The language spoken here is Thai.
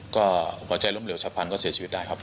ก็หัวใจล้มเหลวฉับพันธก็เสียชีวิตได้ครับ